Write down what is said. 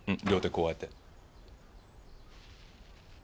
こうやって。